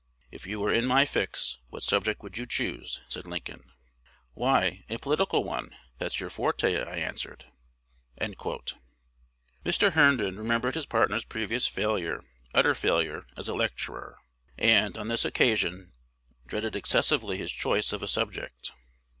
'If you were in my fix, what subject would you choose?' said Lincoln. 'Why, a political one: that's your forte,' I answered." Mr. Herndon remembered his partner's previous "failure, utter failure," as a lecturer, and, on this occasion, dreaded excessively his choice of a subject.